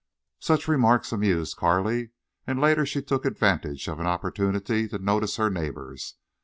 Such remarks amused Carley, and later she took advantage of an opportunity to notice her neighbors.